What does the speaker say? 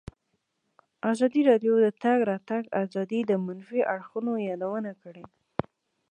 ازادي راډیو د د تګ راتګ ازادي د منفي اړخونو یادونه کړې.